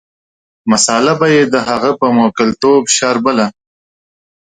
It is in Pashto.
مساله به یې د هغه په موکلتوب شاربله.